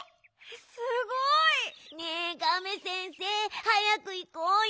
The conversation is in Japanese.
すごい！ねえガメ先生はやくいこうよ。